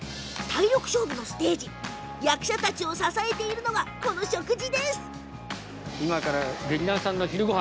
体力勝負のステージ役者たちを支えるのがこの食事です。